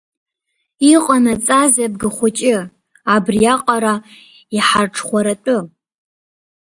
Иҟанаҵазеи Абгахәыҷы, абри аҟара иҳарҽхәаратәы?